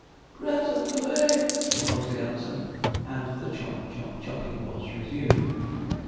'Presently,' was the answer; and the chop, chop, chopping was resumed.